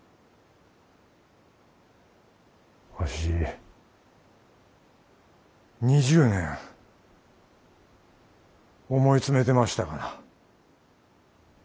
わし２０年思い詰めてましたがな。